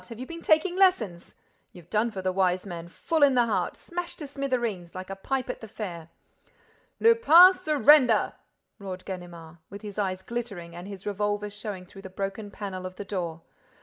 Have you been taking lessons? You've done for the Wise Man! Full in the heart! Smashed to smithereens, like a pipe at the fair!—" "Lupin, surrender!" roared Ganimard, with his eyes glittering and his revolver showing through the broken panel of the door.